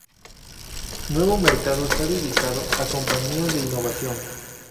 Nuevo Mercado está dedicado a compañías de innovación.